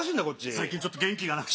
最近ちょっと元気がなくて。